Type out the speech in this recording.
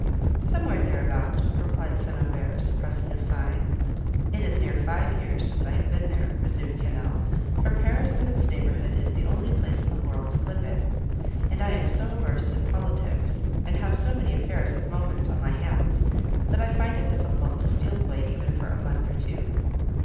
—"Somewhere thereabout," replied St. Aubert, suppressing a sigh. "It is near five years since I have been there," resumed Quesnel; "for Paris and its neighbourhood is the only place in the world to live in, and I am so immersed in politics, and have so many affairs of moment on my hands, that I find it difficult to steal away even for a month or two."